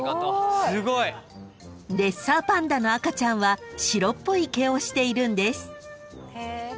［レッサーパンダの赤ちゃんは白っぽい毛をしているんです］